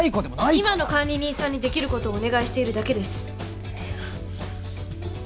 今の管理人さんにできる事をお願いしているだけです。